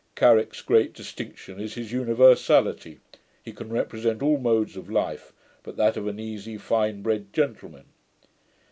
Garrick's great distinction is his universality. He can represent all modes of life, but that of an easy fine bred gentleman.'